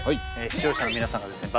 視聴者の皆さんがですね